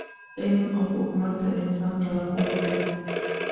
علم او حکمت د انسان لارښود دی.